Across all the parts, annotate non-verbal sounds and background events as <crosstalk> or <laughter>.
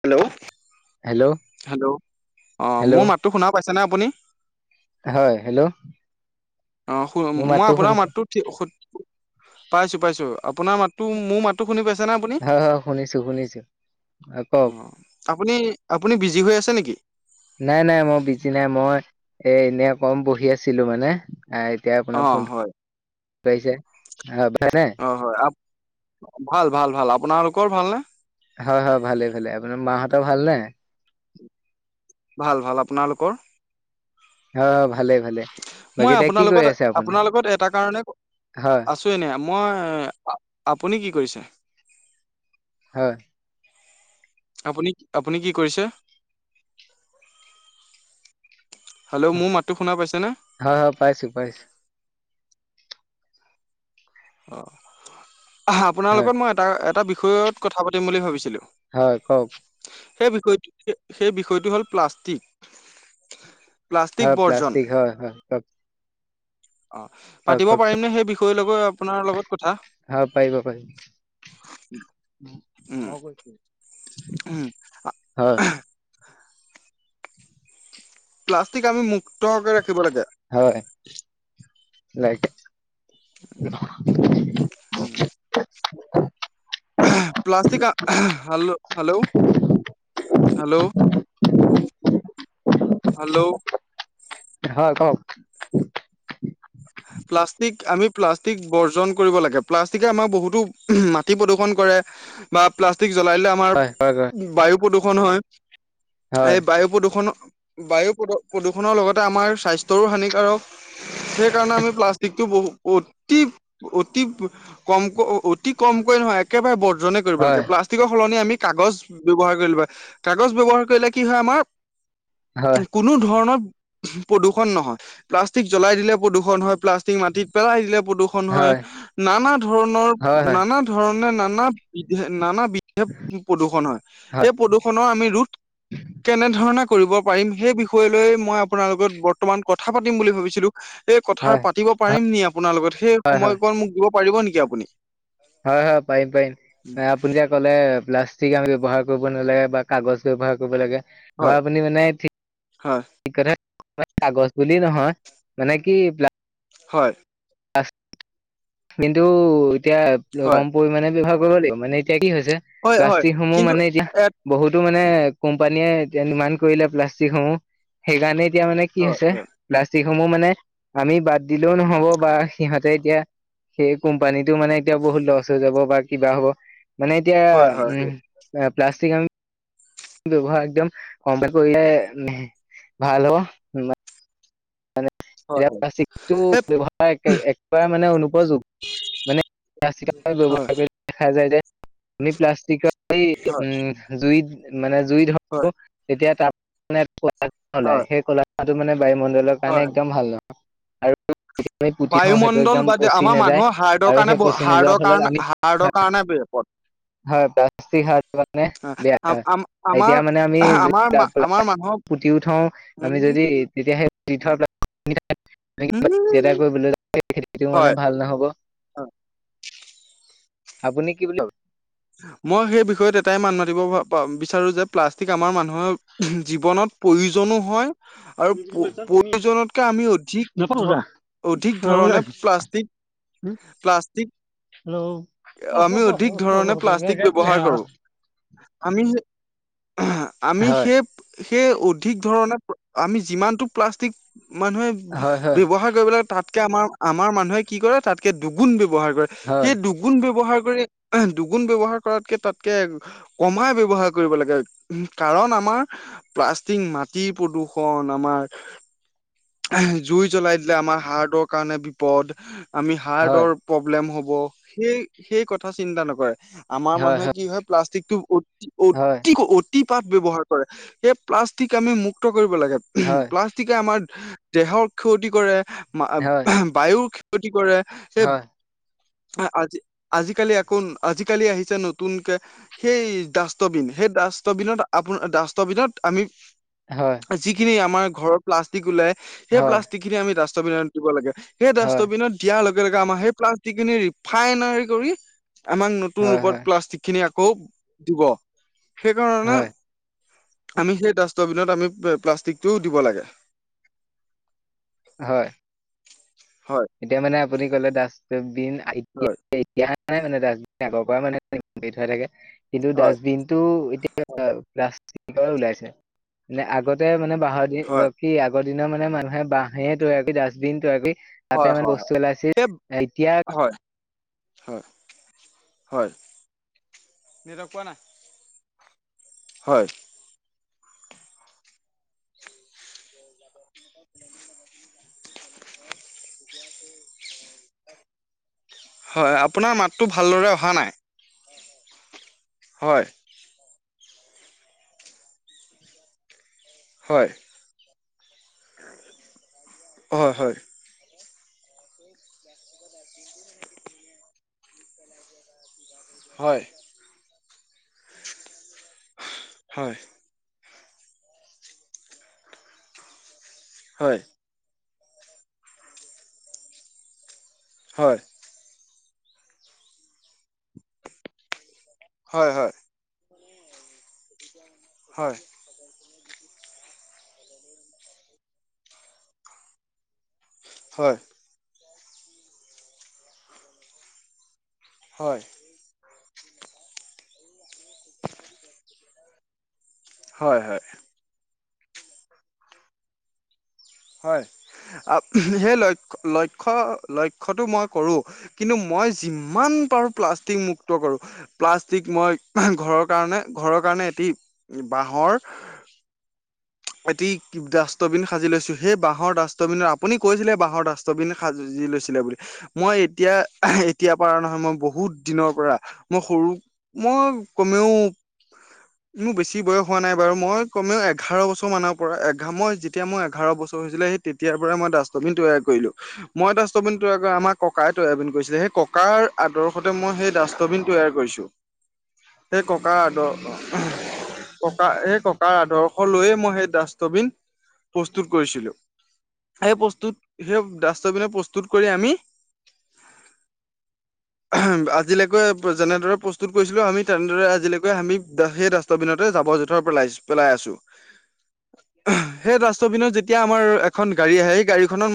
Hello hello hello অ hello মোৰ মাতটো শুনা পাইছানে আপুনি হয় হেল্ল' অ শুন মোৰ মই আপোনাৰ শুনিছে মাতটো ঠি শু পাইছো পাইছো আপোনাৰ মাতটো মোৰ মাত টো শুনি পাইছে নে আপুনি হয় হয় শুনিছো শুনিছো অ আপুনি আপুনি বিজি হৈ আছে নিকি নাই নাই মই বিজি নাই মই এ এনেই অকন বহি আছিলো মানে এ এতিয়া অ আপোনাৰ ফোনটো হয় আহিছে অ হয় আপ ভাল ভাল ভাল আপোনালোকৰ ভালনে হয় হয় ভালে ভালে আপোনাৰ মাহঁতৰ ভাল নে ভাল ভাল আপোনালোকৰ অ ভালে ভালে বাকী মই এতিয়া কি আপোনাৰ কৰি লগত আছে আপুনি আপোনাৰ লগত এটা কাৰণে হয় আছো ছো এনে মই আ আপুনি কি কৰিছে হয় আপুনি আপুনি কি কৰিছে হেল্ল' মোৰ মাতটো শুনা পাইছে নে হয় হয় পাইছো পাইছো অ আপোনাৰ হয় লগত মই এটা এটা বিষয়ত কথা পাতিম বুলি ভাবিছিলো হয় কওক সেই বিষয়টো সে সেই বিষয়টো হ'ল প্লাষ্টিক প্লাষ্টিক হয় বৰ্জন প্লাষ্টিক হয় হয় কওক অ হয় পাতিব কওকচোন পাৰিম নে সেই বিষয়ৰ লগ হয়, পাৰিব পাৰিব। উম মই কৈছোঁ। উম। হয়। প্লাষ্টিক আমি মুক্তকে ৰাখিব লাগে হয়। ৰাইট উম। Plastic hello hello hello? Hello? হয়, কওঁক। প্লাষ্টিক আমি প্লাষ্টিক বৰ্জন কৰিব লাগে, প্লাষ্টিকে আমাক বহুতো মাটি প্ৰদূ্ষন কৰে। বা প্লাষ্টিক জ্বলাই দিলে আম, হয় হয় আমাৰ বায়ু প্ৰদূৰষণ হয়, হয় সেই বায়ু প্ৰদূষণৰ বায়ু প্ৰদূ প্ৰদূষণৰ লগতে আমাৰ স্বাস্থ্যৰো হানিকাৰক। সেইকাৰণে আমি, প্লাষ্টিকটো বহু অতি, অতি প কমকৈ অ অতি কমকৈ নহয়, একেবাৰে বৰ্জনে কৰিব কৰিব হয় লাগে। প্লাষ্টিকৰ সলনি আমি কাগজ ব্যৱহাৰ কৰি ল'ব লাগে। কাগজ ব্যৱহাৰ কৰিলে কি হয় আমাৰ, হয়। কোনো ধৰণৰ প্ৰদূষণ নহয়, প্লাষ্টিক জ্বলাই দিলেই প্ৰদূষণ হয়। প্লাষ্টিক মাটিত পেলাই দিলে প্ৰদূষণ হয়, নানা ধৰণৰ হয় হয় হয় নানা, ধৰণে নানা বিধে নানা বিধে প্ৰদূষণ হয়, এই প্ৰদূষণৰ আমি ৰোধ, কেনে ধৰণে কৰিব পাৰিম, সেই বিষয় লৈ মই আপোনাৰ লগত বৰ্তমান কথা পাতিম বুলি ভাবিছিলো। এই কথাৰ হয় পাতিব নি আপোনাৰ লগত? সেই হয় সময়কণ মোক দিব পাৰিব নেকি আপুনি? হয়, হয়। পাৰিম, পাৰিম। এ, আপুনি যে, ক'লে প্লাষ্টিক আমি ব্যৱহাৰ কৰিব নালাগে বা কাগজ ব্যৱহাৰ কৰিব লাগে। হয়, আপুনি মানে ঠিক হয়, ঠিক কথাই কাগজ বুলি নহয় মানে কি প্লা, হয়। প্লাষ্টিকটো কিন্তু, এতিয়া হয়, কম পৰিমাণে ব্যৱহাৰ কৰিব লাগিব। মানে এতিয়া কি হৈছে? হয়, হয় প্লাষ্টিক সমূহ কিন্তু মানে এতিয়া, এ বহুতো মানে, কোম্পানীয়ে এতিয়া নিৰ্মান কৰিলে প্লাষ্টিকসমূহ, সেইকাৰণে এতিয়া মানে কি হয়, হৈছে। হয়, প্লাষ্টিকসমূহ মানে আমি বাদ দিলেও নহ'ব। বা সিহঁতে এতিয়া সেই কোম্পানীটো মানে, এতিয়া বহুত লষ্ট হৈ যাব বা কিবা হ'ব। মানে এতিয়া, হয়, হয়, উম, প্লা প্লাষ্টিক আমি। ব্যৱহাৰ একদম কমকে কৰিলে ভাল হ'ব। মানে, হয়, এতিয়া হয়, প্লাষ্টিকটো হেত ব্যৱহাৰ কৰা, একবাৰে মানে অনুপযোগ। মানে প্লাষ্টিক কৰ হয়, ব্যৱহাৰ কৰিব। দেখা যায় যে, আমি প্লাষ্টিকৰ এই হয়, উম জুইত মানে, জুই হয়, ধৰোঁ, তেতিয়া তাৰপৰা ক'লা ধোৱা হয়, ওলায়। সেই ক'লা ধোৱাটো মানে বায়ুমণ্ডলত। কাৰণে হয়। একদম ভাল নহয়, আৰু যেতিয়া আমি পুতি থওঁ সেইটো বায়ুমণ্ডল একদম বাদ দিয়ক। পচি আমাৰ নাযায় মানুহৰ হাৰ্ডৰ আৰু কাৰণে, সেই ব পচি নোযোৱাৰ হাৰ্ডৰ ফলত কাৰণে, আমি হাৰ্ডৰ কাৰণে বিপদ। হয়। প্লাষ্টিক হাৰ্টৰ কাৰনে বেয়া হয়। আম-আম-আমাৰ এতিয়া মানে আমি আমাৰ যেতিয়া আমাৰ আমাৰ প্লাষ্টিক, মানুহক পুতিও থও, আমি উম, যদি ই তেতিয়া সেই পুতি থোৱা প্লাষ্টিক উম, খিনি <unintelligible> মানে হয়। হয় ভাল নহ'ব। আপুনি কি বুলি ভাবে? মই সেই বিষয়ত এটাই মান মাতিব পা পা বিচাৰোঁ যে, প্লাষ্টিক আমাৰ মানুহৰ, জীৱনত প্ৰয়োজনো হয়। আৰু প্ৰয়োজনতকে আমি অধিক ধ, অধিক হেল্ল' ধৰণে প্লাষ্টিক। প্লাষ্টিক, আমি অধিক ধৰণে প্লাষ্টিক ব্যৱহাৰ কৰোঁ, আমি সেই, আমি হয় সেই সেই অধিক ধৰণে, আমি যিমানটো প্লাষ্টিক, মানুহে হয়, হয়, ব্যয়ৱহাৰ কৰিব লাগে, তাতকে আমাৰ-আমাৰ মানুহে কি কৰে, তাতকে দুগুণ বব্যৱহাৰ কৰে, হয়, সেই দুগু গুণ ব্যৱহাৰ কৰি দুগুণ ব্যৱহাৰ কৰাতকে তাতকে, কমাই কমাই কৰিব লাগে, কাৰণ আমাৰ প্লাষ্টিক মাটি প্ৰদূষণ আমাৰ জুই জ্বলাই দিলে আমাৰ হাৰ্টৰ কাৰণে বিপদ। আমি হয়, হাৰ্টৰ প্ৰব্লেম হ'ব, সেই- সেই কথা চিন্তা নকৰে। আমাৰ মানুহে কি হয়, প্লাষ্টিকটো হয়, অতি-অতিকৈ অতিপাত ব্যৱহাৰ কৰে, সেই প্লাষ্টিক আমি মুক্ত কৰিব লাগে। হয়, প্লাষ্টিক আমাৰ দেহৰ ক্ষতি কৰে, হয়, বায়ুৰ ক্ষতি কৰে, সেই হয়, আজি, আজিকালি আকৌ, আজিকালি আহিছে নতুনকৈ সেই ডাষ্টতবিন, সেই ডাষ্টতবিনত আপোন ডাষ্টবিনত আমি হয়। যিখিনি আমাৰ ঘৰত প্লাষ্টিক ওলাই, হয়, সেই হয়, প্লাষ্টিক খিনি আমি ডাষ্টতবিনত দিব লাগে। সেই হয়, ডাষ্টবিনত দিয়াৰ লগে-লগে আমাৰ সেই প্লাষ্টিক খিনি ৰিফাইনৰি কৰি আমাক নতুন হয়, ৰূপত প্লাষ্টিকখিনি আকৌ দিব। সেইকাৰণে হয়, আমি সেই ডাষ্টতবিনত আমি প্লাষ্টিকটোও দিব লাগে। হয়। হয়। এতিয়া মানে আপুনি ক'লে ডাষ্টবিন আহি হয়। <unintelligible> কিন্তু হয় ডাষ্টবিনটো এতিয়া প্লাষ্টিকৰ ওলাইছে, মানে আগতে মানে বাঁহৰ দি হয় সেই আগৰ দিনৰ মানে মানুহে বাঁহে তৈয়াৰ কৰি ডাষ্টবিন তৈয়াৰ কৰি তাতে হয়, মানে হয়, বস্তু পেলাইছিল হয়, <unintelligible> এতিয়া হয়। হয়, হয়, নেটৱৰ্ক পোৱা নাই। হয়। <inaudible> <inaudible> হয়, আপোনাৰ মাতটো ভালদৰে অহা নাই। হয়। হয়। অ, হয়। <inaudible> হয়। হয়। হয়। হয়। হয়, হয়। হয়। হয়। হয়। হয়, হয়। হয়, সেই লক্ষ্য, লক্ষ্যটো মই কৰো। কিন্তু মই যিমান পাৰো, প্লাষ্টিক মুক্ত কৰো। প্লাষ্টিক মই ঘৰৰ কাৰণে ঘৰৰ কাৰণে এটি বাঁহৰ এটি ডাষ্টবিন সাজি লৈছো। সেই বাঁহৰ ডাষ্টবিনত, আপুনি কৈছিলে বাঁহৰ ডাষ্ট <inaudible> লৈছিলে বুলি। মই এতিয়া এতিয়া পৰা নহয়। মই বহুত দিনৰ পৰা মই সৰু মই কমেও মোৰ বেছি বয়স হোৱা নাই বাৰু মই কমেও এঘাৰ বছৰ টো মানৰ পৰা এঘ মই যেতিয়া মই এঘাৰ বছৰ হৈছিলে সেই তেতিয়াৰ পৰাই মই ডাষ্টবিন তৈয়াৰ কৰিলো। মই ডাষ্টবিন তৈয়াৰ কৰা, আমাৰ ককাই তৈয়াৰবিন কৰিছিলে। সেই ককাৰ আদৰ্শতে মই সেই ডাষ্টবিন তৈয়াৰ কৰিছো। <unintelligible> সেই ককাৰ আদশ ককা সেই ককাৰ আদৰ্শ লৈয়ে মই সেই ডষ্টবিন প্ৰস্তুত কৰিছিলো। সেই প্ৰস্তুত সেই ডাষ্টবিনে প্ৰস্তুত কৰি আমি <unintelligible> আজিলৈকে যেনেদৰে প্ৰস্তুত কৰিছিলো। আমি তেনেদৰে আজিলৈকে আমি সেই দা বিনতে জাব জেথৰ পেলাচো পেলাই আছো। সেই ডাষ্টবিনত যেতিয়া আমাৰ এখন গাড়ী আহে। সেই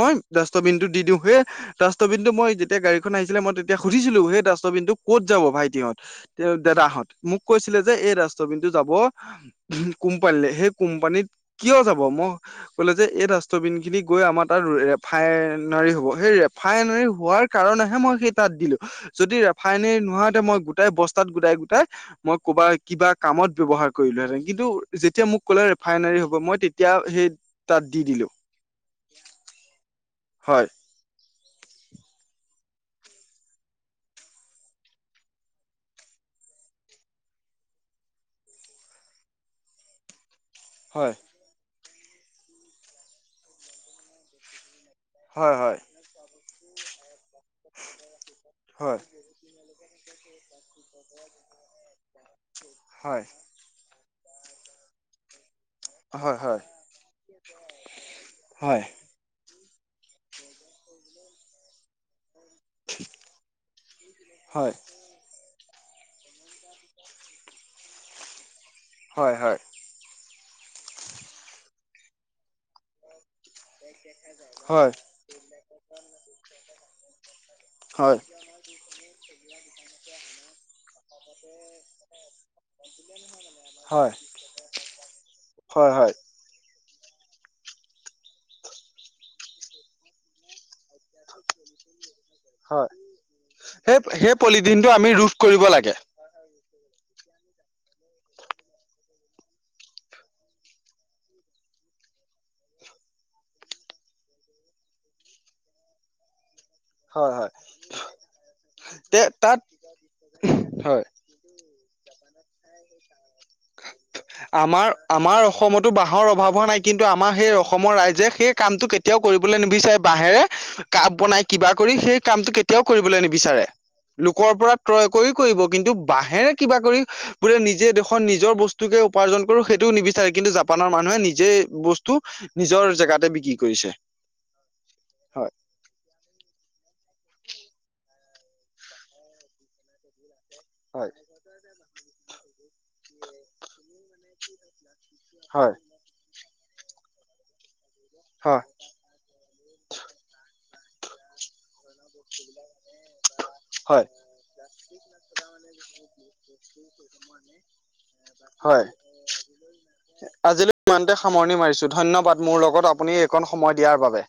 মই ডাষ্টবিনটো দি দিওঁ সেই ডাষ্টবিন টো মই যেতিয়া গাড়ীখন আহিছিলে মই তেতিয়া সুধিছিলো। সেই ডাষ্টবিনটো ক'ত যাব ভাইটিহত তেওঁ দাদাহঁত, মোক কৈছিলে যে এই ৰাষ্ট্ৰবিন্তু যাব কোম্পানীলে সেই কোম্পানীত কিয় যাব মই ক'লে যে এই ডাষ্টবিন খিনি গৈ আমাৰ তাত ৰেফাইনাৰী হ'ব। সেই ৰেফাইনাৰী হোৱাৰ কাৰণেহে মই সেই তাত দিলো। যদি ৰেফাইনেৰি নহয় মই গোটাই বস্তাত গোটাই গোটাই ই কবা কিবা কামত ব্যৱহাৰ কৰিলো হেতেন। কিন্তু যেতিয়া মোক ক'লে ৰিফাইনে হ মই তেতিয়া সেই তাত দি দিলো। হয়। হয়। হয় হয় হয়। <unintelligible> হয়। হয় হয়, হয়। হয়। হয় হয়। হয়। হয়। <inaudible> হয়, হয় হয়। হয়, সেই সেই পলিথিনটো আমি ৰোধ কৰিব লাগে। <unintelligible> হয় হয়, তে তাত, হয়। <unintelligible> আমাৰ আমাৰ অসমতো বাঁহৰ অভাৱ হোৱা নাই। কিন্তু আমাৰ সেই অসমৰ ৰাইজে সেই কামটো কে তিয়াও কৰিবলৈ নিবিচাৰে বাঁহেৰে কাপ বনাই কিবা কৰি সেই কামটো কেতিয়াও কৰিবলৈ নিবিচাৰে। লোকৰ পৰা ত্ৰয় কৰি কৰিব। কিন্তু বাঁহেৰে কিবা কৰি বোৰে নিজে দেশত নিজৰ বস্তুকে উপাৰ্জন কৰো। সেইটোও নিবিচাৰে কিন্তু জাপানৰ মানুহে নিজে বস্তু নিজৰ জেগাতে বিক্ৰী কৰিছে। হয় হয়। <unintelligible> হয়। হয়। হয়। <unintelligible> হয়। আজিলৈ ইমানতে সামৰণি মাৰিছো ধন্যবাদ মোৰ লগত আপুনি এইকন সময় দিয়াৰ বাবে।